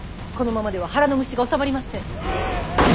このままでは腹の虫がおさまりません。